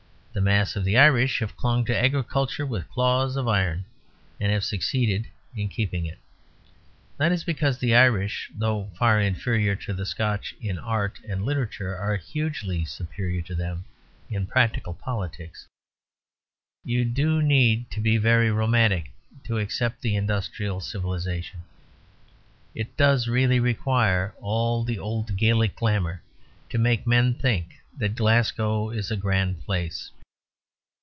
The mass of the Irish have clung to agriculture with claws of iron; and have succeeded in keeping it. That is because the Irish, though far inferior to the Scotch in art and literature, are hugely superior to them in practical politics. You do need to be very romantic to accept the industrial civilisation. It does really require all the old Gaelic glamour to make men think that Glasgow is a grand place.